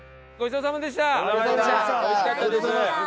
おいしかったです。